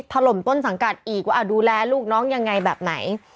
ถล่มต้นสังกัดอีกว่าดูแลลูกน้องยังไงแบบไหน